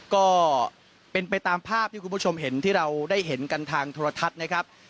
ก็เป็นไปตามภาพที่คุณผู้ชมเห็นที่เราได้เห็นกันทางโทรทัศน์นะครับ